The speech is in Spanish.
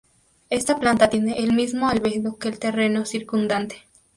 Esta planta tiene el mismo albedo que el terreno circundante.